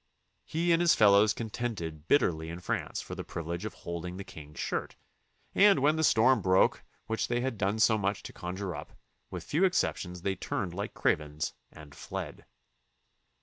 He and his fellows contended bitterly in France for the privilege of holding the king's shirt, and when the storm broke which they had done so much to con jure up, with few exceptions they turned like cravens and fled.